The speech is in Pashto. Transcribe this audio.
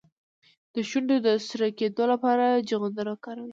د شونډو د سره کیدو لپاره چغندر وکاروئ